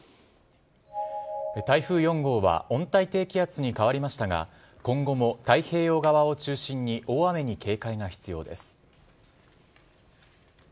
台風４号は温帯低気圧に変わりましたが、今後も太平洋側を中心に大雨に警戒が必要です。